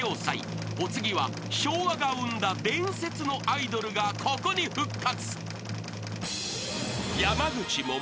［お次は昭和が生んだ伝説のアイドルがここに復活］